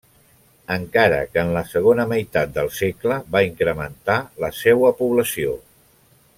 Encara que en la segona meitat del segle va incrementar la seua població.